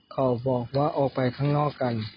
เขาบอกว่าออกไปข้างนอกกัน